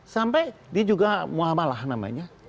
sampai dia juga muamalah namanya